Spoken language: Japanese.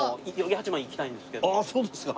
そうですか！